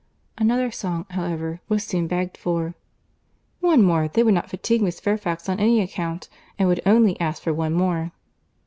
Another song, however, was soon begged for. "One more;—they would not fatigue Miss Fairfax on any account, and would only ask for one more."